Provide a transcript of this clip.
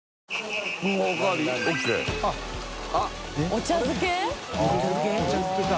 お茶漬けか。